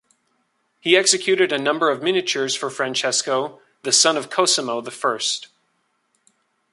He executed a number of miniatures for Francesco, the son of Cosimo the First.